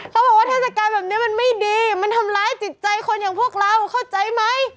เขาบอกว่าเทศกาลแบบนี้มันไม่ดีมันทำร้ายจิตใจคนอย่างพวกเราเข้าใจไหม